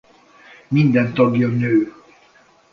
Minden tagja nő.